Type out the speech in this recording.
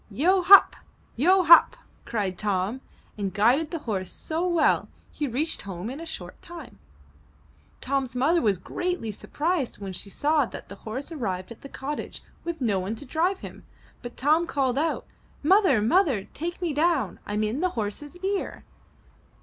"Yeo hup! Yeo hup!" cried Tom and guided the 265 MY BOOK HOUSE horse so well, he reached home in a short time. Tom's mother was greatly surprised when she saw the horse arrive at the cottage with no one to drive him, but Tom called out, *' Mother, mother, take me down! Fm in the horse's ear!''